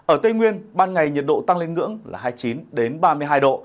ở tây nguyên ban ngày nhiệt độ tăng lên ngưỡng là hai mươi chín ba mươi hai độ